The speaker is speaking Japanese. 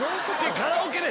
カラオケで。